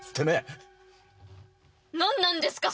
何なんですか